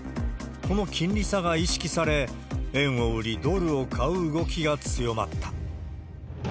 この金利差が意識され、円を売り、ドルを買う動きが強まった。